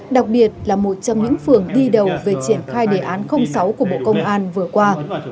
đặc biệt là một trong những phường đi đầu về triển khai đề án sáu của bộ công an vừa qua